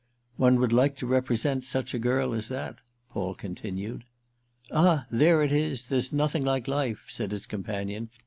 "One would like to represent such a girl as that," Paul continued. "Ah there it is—there's nothing like life!" said his companion.